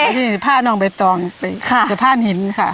นี่ผ้านองใบตองผ้านหินค่ะ